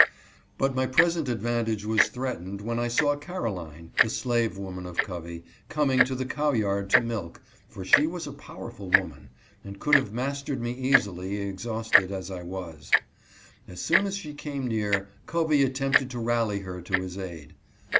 But my present advantage was threatened when I saw Caroline (the slave woman of Covey) coming to the cow yard to milk, for she was a powerful woman, and could have mastered me easily, exhausted as I was. As soon as she came near, Covey attempted to rally her to his aid.